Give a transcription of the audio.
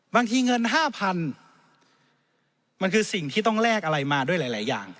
บางทีเงิน๕๐๐๐มันคือสิ่งที่ต้องแลกอะไรมาด้วยหลายอย่าง